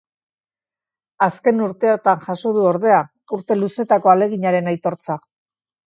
Azken urteotan jaso du, ordea, urte luzetako ahaleginaren aitortza.